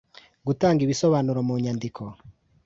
gutanga ibisonuro mu nyandiko